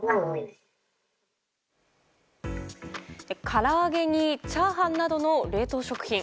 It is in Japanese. から揚げにチャーハンなどの冷凍食品。